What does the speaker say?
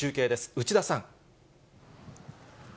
内田さん。